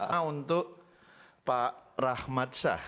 nah untuk pak rahmat syah